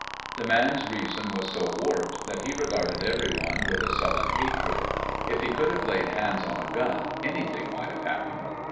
The man's reason was so warped that he regarded everyone with a sullen hatred. If he could have laid hands on a gun, anything might have happened.